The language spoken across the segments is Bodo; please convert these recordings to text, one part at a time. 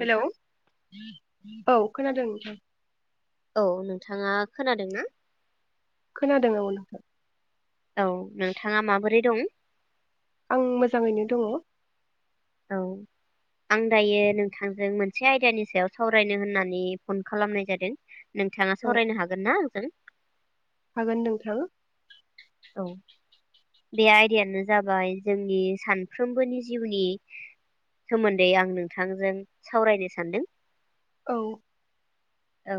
हेलौ औ खोनादों नोंथां। औ नोंथाङा खोनादोंना? खोनादों औ नोंथां। औ नोंथाङा माबोरै दं? आं मोजाङैनो दङ। औ आं दायो नोंथांजों मोनसे आयदानि सायाव सावरायनो होननानै फन खालामनाय जादों। नोंथाङा औ सावरायनो हागोन ना आंजों? हागोन नोंथां। औ। बे आयदायानो जाबाय जोंनि सानफ्रोमबोनि जिउनि सोमोन्दै आं नोंथांजों सावरायनो सानदों। औ। औ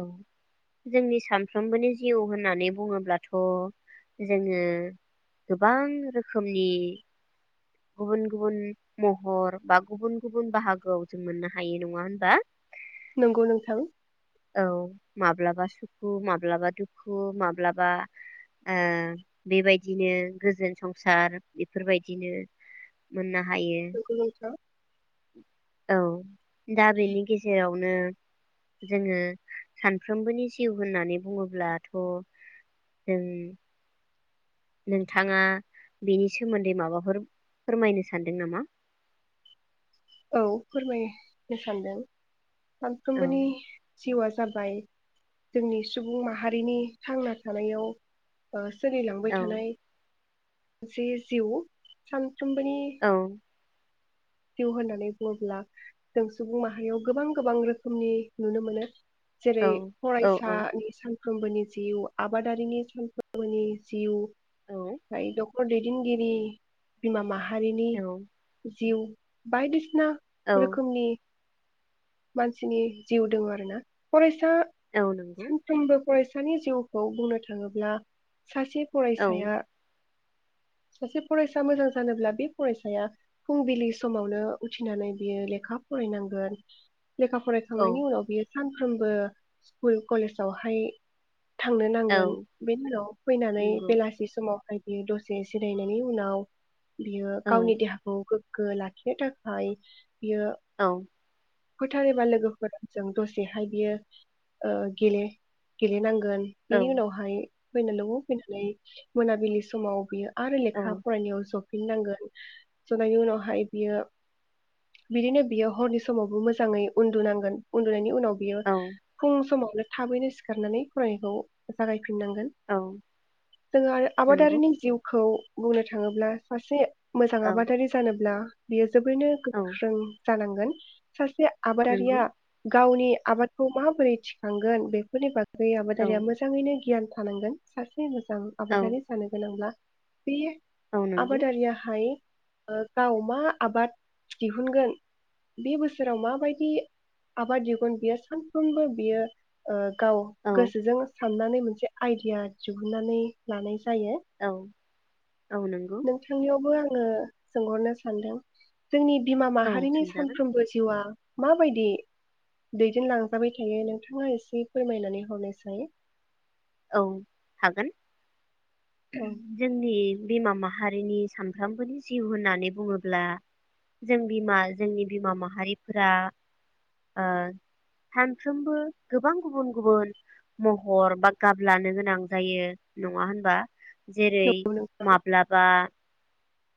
जोंनि सानफ्रोमबोनि जिउ होननानै बुङोब्लाथ' जोङो गोबां रोखोमनि गुबुन गुबुन महर बा गुबुन गुबुन बाहागोआव जों मोननो हायो नङा होनबा? नंगौ नोंथां औ माब्लाबा सुखु माब माब्लाबा दुखु माब्लाबा ओ बेबायदिनो गोजोन संसार इफोरबायदिनो मोनना नंगौ नोंथां। औ। दा बेनि गेजेरावनो जोङो सानफ्रोमबोनि जिउ होननानै बुङोब्लाथ' जों नोंथाङा बेनि सोमोन्दै माबाफोर फोरमायनो सानदों नामा? औ फोरमायनो सानदों। औ सानफ्रोमबोनि जिउआ जाबाय जोंनि सुबुं माहारिनि थांना थानायाव ओ सोलिलांबाय औ थानाय मोनसे जिउ सान फ्रोमबोनि औ जिउ होननानै बुङोब्ला जों सुबुं माहारियाव गोबां गोबां रोखोमनि नुनो मोनो। जेरै औ औ फरायसानि सानफ्रोमबोनि जिउ आबादारिनि सानफ्रोमबोनि जिउ औ जाय दखर दैदेनगिरि बिमामा हारिनि औ जिउ। बायदि। सिना औ रोखोमनि मानसिनि जिउ दङ आरोना फराय सा औ नंगौ सानफ्रोमबो फरायसानि जिउखौ बुंनो थाङोब्ला। सासे औ फरायसाया। सासे फरायसा मोजां जानोब्ला बे फरायसाया फुंबिलि समावनो उथिनानै बियो लेखा फरायनांगोन। लेखा औ फरायखांनायनि उनाव बियो। सानफ्रोमबो स्कुल कलेजावहाय। थांनो औ नांगोन बेनि उनाव फैनानै नंगौ बेलासि समाव। [unintelligible] दसे जिरायनायनि उनाव। बियो औ गावनि देहाखौ। गो [unintelligible] बियो। औ फोथार एबा लोगोफोरजों दसेहाय बियो ओ गेले-गेलेनां गोन बिनि औ उनावहाय। फैनानै नआव फैनानै मोनाबिलि समाव बियो। आरो औ लेखा फरायनायाव ज जफिननांगोन जनायनि उनावहाय बियो बिदिनो बियो हरनि समावबो मोजाङै उन्दुनांगोन उन्दुनायनि उनाव बियो औ फुं समावनो थाबैनो सिखारनानै फरायनायखौ जागाय फिनांगोन औ जोङो आरो नंगौ आबादारिनि जिउखौ बुंनो थाङोब्ला सासे मोजां औ आबादारि जानोब्ला बि जोबोरैनो औ गोख्रों जानांगोन सासे नंगौ आबादारिया गावनि आबादखौ माबोरै थिखांगोन बेफोरनि बागै गै औ आबादारिया मोजाङैनो गियानखौ थानांगोन सा मोजां औ आबादारि जानो गोनांब्ला बे औ नंगौ आबादारियाहाय गाव मा आबाद दिहुनगोन बे बोसोराव माबायदि आबाद दिहुनग्राया बियो सानफ्रोमबो बियो ओ गाव औ गोसोजों साननानै मोनसे आइडिया दिहुननानै लानाय ज जायो औ औ नंगौ नोंथांनियावबो आ आङो सोंहरनो सानदों जोंनि बिमा औ माहारिनि सोंजागोन सानफ्रोमबो जिउआ माबायदि दैदेनलांजाबाय थायो नोंथाङा एसे फोरमायनानै हरनायसै। औ हागोन औ जोंनि बिमा माहारिनि सानफ्रोमबोनि जिउ होननानै बुङोब्ला जों बिमा जोंनि बिमा माहारिफोरा ओ सानफ्रोमबो गोबां गुबुन गुबुन महर बा गाब लानो गोनां जायो नङा होनबा जेरै नंगौ नोंथां माब्लाबा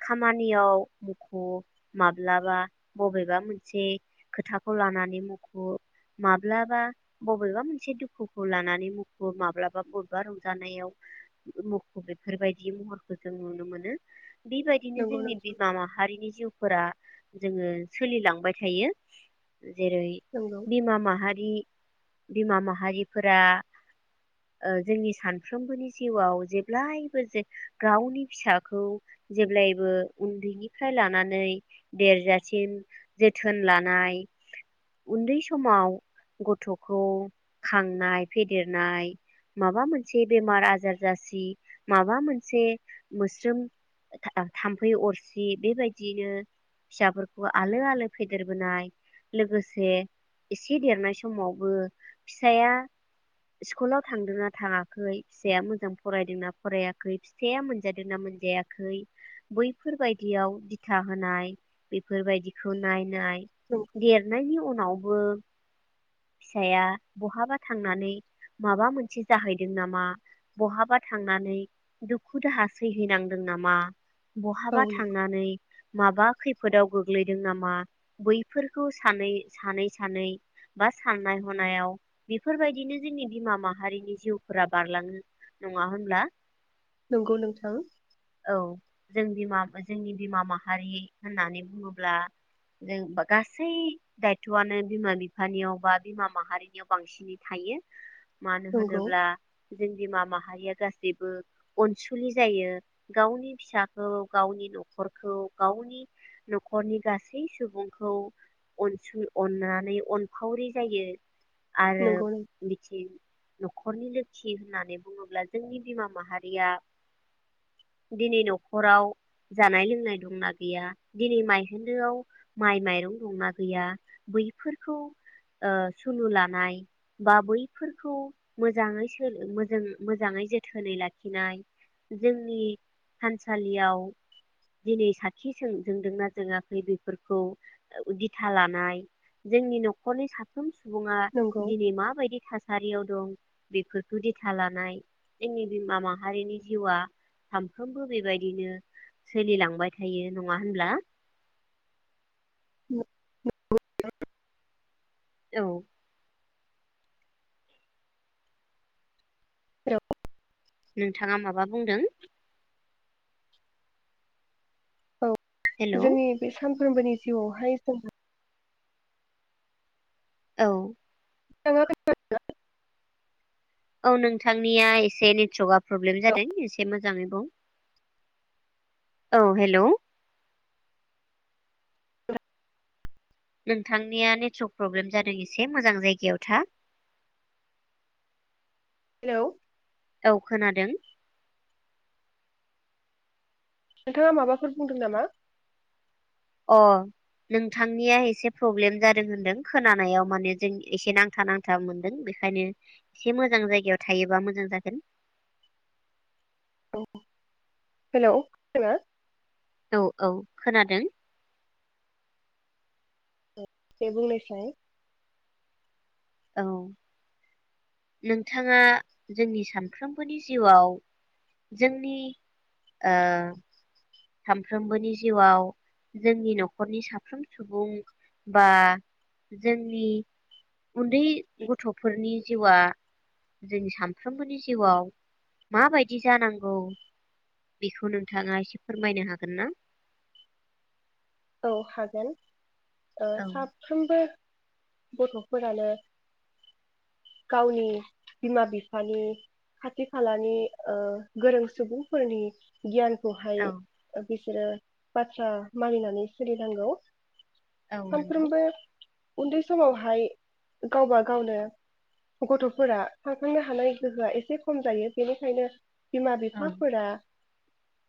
खामानियाव मुखुब माब्लाबा बबेबा मोनसे खोथाखौ लानानै मुखुब माब्लाबा बबेबा मोनसे दुखुखौ लानानै मु माब्लाबा बबेबा रंजानायाव मुखुब बेफोरबायदि महरखौ जों नुनो मोनो। बेबायदिनो नंगौ जोंनि नोंथां बिमा माहारिनि जिउफोरा जोङो सोलिलांबाय थायो जेरै नंगौ बिमा माहारि बिमा माहारिफोरा ओ जोंनि सानफ्रोमबोनि जिउआव जेब्लायबो जे गावनि फिसाखौ जेब्लायबो उन्दैनिफ्राय लानानै देरजासिम जोथोन लानाय, उन्दै समाव गथ'खौ खांनाय फेदेरनाय नाय माबा मोनसे बेमार-आजार जासि, माबा मोनसे मोस्रोम थाम्फै अरसि, बेबायदियैनो फिसाफोरखौ आलो-आलो फेदेरबोनाय, लोगोसे एसे देरनाय समावबो फिसाया स्कुलाव थांदोंना थाङाखै, फिसाया मोजां फरायदोंना फरायाखै, फिसाया मोनजादोंना मोनजायाखै, बैफोर बादियाव दिथा होनाय, बेफोरबायदिखौ नाय नाय नंगौ देरनायनि उनाव बो फिसाया बहाबा थांनानै माबा मोनसे जाहैदों नामा, बहाबा थांनानै दुखु दाहा सैहैनांदों नामा बहाबा औ थांनानै माबा खैफोदाव गोग्लैदों नामा, बैफोरखौ सानै सानै सानै बा साननाय हनायाव बेफोर बायदिनो जोंनि बिमा माहारिनि जिउफोरा बारलाङो नङा होनब्ला? नंगौ नोंथां औ जों बिमा जोंनि बिमा माहारि होननानै बुङोब्ला जों गासै दायथ'लानो बिमा-बिफानियाव बा बिमा माहारिनियाव बांसिनै थायो। मानो नंगौ होनोब्ला जों बिमा माहारिया गासैबो अनसुलि जायो गावनि फिसाखौ गावनि न'खरखौ गावनि न'खरनि गासै सुबुंखौ अनसु अननानै अनफावरि जायो। आरो नंगौ बिथिं न'खरनि लोखि होननानै बुङोब्ला जोंनि बिमा माहारिया दिनै न'खराव जानाय लोंनाय दंना गैया दिनै माइ होन्दोआव माइ माइरं दंना गैया बैफोरखौ सुलु लानाय बा बैफोरखौ मोजाङै सो मो मोजाङै जोथोनै लाखिनाय जोंनि थानसालियाव दिनै साथि जोंदोंना जोङाखै बेफोरखौ दिथा लानाय जोंनि न'खरनि साफ्रोम सुबुङा नंगौ दिनै मा दि थासारियाव दं बेफोरखौ दिथा लानाय जोंनि बिमा माहारिनि जिउआ सामफ्रामबो बेबायदिनो सोलिलांबाय थायो नङा होनब्ला? नं औ नोंथाङा माबा बुंदों? औ हेलौ जोंनि बे सान फोरबोनि जिउआवहाय जों औ [unintelligible] औ नोंथांनिया एसे नेटवार्कआ प्रब्लेम जादों एसे मोजाङै बुं। औ हेलौ नोंथांनिया नेटवर्क प्रब्लेम जादों इसे मोजां जायगायाव था। हेलौ औ खोनादों। नोंथाङा माबाफोर बुंदों नामा? अ नोंथांनिया एसे प्रब्लेम जादों होनदों खोनानायाव माने जों एसे नांथा नांथा मोनदों बेखायनो इसे मोजां जायगायाव थायोबा मोजां जागोन। अ हेलौ खोनादोंना? औ औ खोनादों। दे बुंनायसाय औ नोंथाङा जोंनि सानफ्रोमबोनि जिउआव जोंनि सामफ्रोमबोनि जिउआव जोंनि न'खरनि साफ्रोम सुबुं बा जोंनि उन्दै गथ'फोरनि जिउआ जोंनि सानफ्रोमबोनि जिउआव माबायदि जानांगौ बेखौ नोंथाङा इसे फोरमायनो हागोन ना? औ हागोन ओ औ साफ्रोमबो गथ'फोरानो गावनि बिमा बिफानि खाथि खालानि ओ गोरों सुबुंफोरनि गियान खौ औ हाय सोरो बाथ्रा मानिनानै सोलिनांगौ औ नंगौ सानफ्रोमबो उन्दै समावहाय गावबा गावनो गथ'फोरा साखांनो हानाय गोहोआ एसे खम जायो बेनिखायनो बिमा औ बिफाफोरा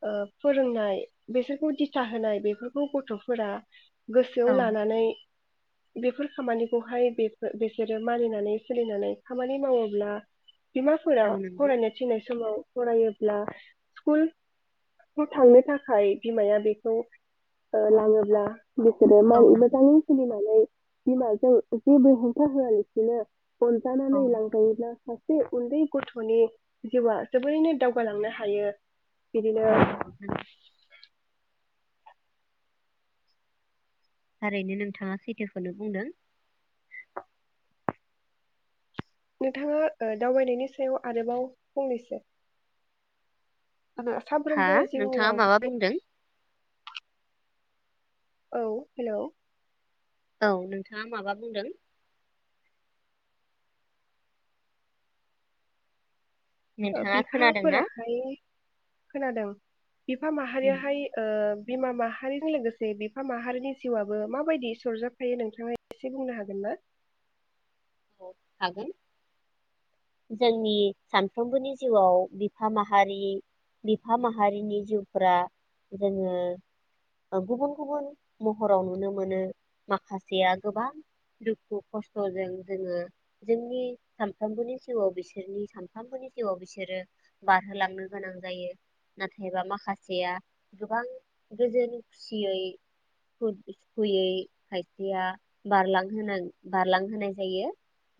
ओ फोरोंनाय बेसोरखौ दिथा होनाय बेफोरखौ ग थ' फोरा गोसोआव औ लानानै बेफोर खामानिखौहाय बेफो बिसोरो मानिनानै सोलिनानै खामानि मावोब्ला बिमाफोरा औ नंगौ फरायनो थिननाय समाव फरायोब्ला स्कुल स्कुल थांनो थाखाय बिमाया बेखौ ओ लाङोब्ला बिसोरो औ मान नंगौ मोजाङै सोलिनाय [unintelligible] बिमाजों जेबो हेंथा होआलासिनो औ अनजानानै लांजायोब्ला सासे उन्दै गथ'नि जिउआ जोबोरैनो दावगालांनो हायो बिदिनो औ नंगौ थारैनो नोंथाङा सैथोखौनो बुंदों। नोंथाङा ओ दावबायनायनि सायाव आरोबाव फंनैसो [unintelligible] हा साफ्रोमबो नोंथाङा माबा जिउआवहाय बुंदों औ हेलौ औ नोंथाङा माबा बुंदों? ओ नोंथाङा खोनादोंना बिफाफोराहाय खोनादों बिफा उम माहारियाहाय ओ बिमा माहारिनि लोगोसे बिफा माहारिनि जिउआबो माबायदि सरजाबफायो नोंथाङा एसे बुंनो हागोन ना? अ हागोन जोंनि सानफ्रोमबोनि जिउआव बिफा माहारि बिफा माहारिनि जिउफोरा जोङो ओ गुबुन-गुबुन महराव नुनो मोनो माखासेया गोबां दुखु खस्थ'जों जोङो जोंनि सानफ्रामबोनि जिउआव बिसोरनि सानफ्रामबोनि जिउआव बिसोरो बारहोलांनो गोनां जायो नाथायबा माखासेया गोबां गोजोन खुसियै खुद सुखुयै खायसेया बारलांहो [unintelligible] बारलांहोनाय जायो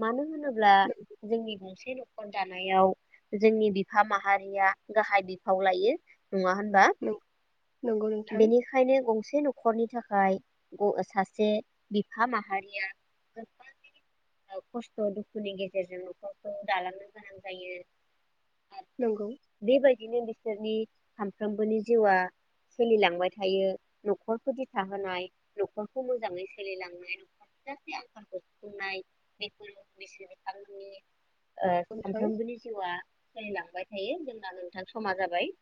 मानो होनोब्ला नों- जोंनि गंसे न'खर दानायाव जोंनि बिफा माहारिया गाहाय बिफाव लायो। नङा होनबा नों- नंगौ नोंथां बेनिखायनो गंसे न'खरनि थाखाय ग सासे बिफा माहारिया [unintelligible] अ खस्थ' दुखुनि गेजेरजों न'खरखौ दालांनो गोनां जायो। नंगौ बेबायदिनो बि सोरनि सामफ्रोमबोनि जिउआ सोलिलांबाय थायो न'खरफोर दिथाहोनाय न'खरखौ मोजाङै सोलिलांनाय न'खर [unintelligible] आंखालखौ सुफुंनाय बेफोर बैसोनि फालोनि ओ नोंथां सानफ्रोमबोनि जिउआ सोलिलांबाय जायो जोंहा नोंथां समा जाबाय